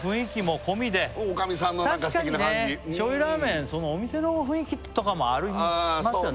確かにね醤油ラーメンお店の雰囲気とかもありますよね